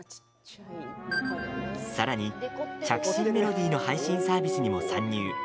さらに、着信メロディーの配信サービスにも参入。